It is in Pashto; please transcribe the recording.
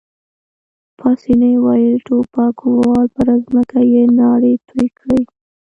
پاسیني وویل: ټوپکوال، پر مځکه يې ناړې تو کړې.